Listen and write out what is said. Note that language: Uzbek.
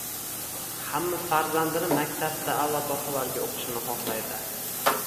Hamma farzandini maktabda a’lo baholarga o’qishini xohlaydi